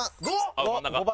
５番。